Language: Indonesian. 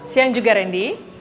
siang juga randy